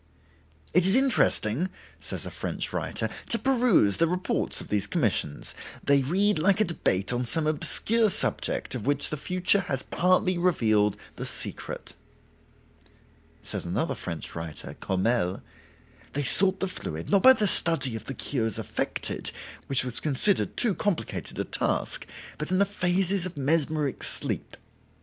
"It is interesting," says a French writer, "to peruse the reports of these commissions: they read like a debate on some obscure subject of which the future has partly revealed the secret." Says another French writer (Courmelles): "They sought the fluid, not by the study of the cures affected, which was considered too complicated a task, but in the phases of mesmeric sleep.